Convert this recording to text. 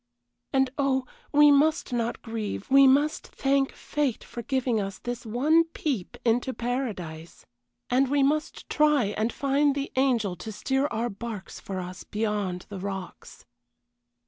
And oh, we must not grieve, we must thank fate for giving us this one peep into paradise and we must try and find the angel to steer our barks for us beyond the rocks.